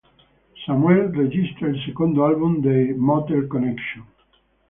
Samuel registra il secondo album dei Motel Connection.